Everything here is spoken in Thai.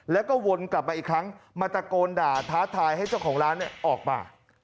แล้วก็วนกลับมาอีกครั้งมาตะโกนด่าท้าทายให้เจ้าของร้านออกมา